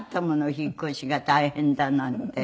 引っ越しが大変だなんて。